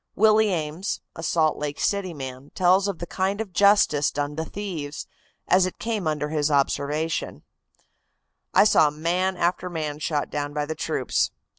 Willis Ames, a Salt Lake City man, tells of the kind of justice done to thieves, as it came under his observation: "I saw man after man shot down by the troops.